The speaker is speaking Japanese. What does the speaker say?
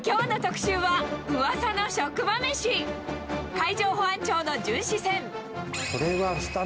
海上保安庁の巡視船。